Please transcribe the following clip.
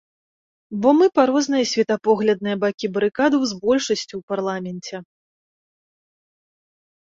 Бо мы па розныя светапоглядныя бакі барыкадаў з большасцю ў парламенце.